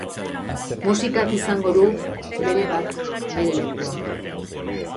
Musikak izango du, berebat, bere lekua.